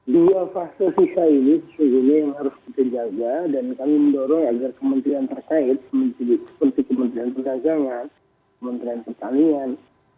dua fase sisa ini yang harus kita jaga dan kami mendorong agar kementerian terkait seperti kementerian perdagangan kementerian pertanian